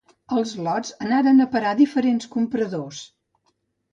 Els lots anàrem a parar a diferents compradors.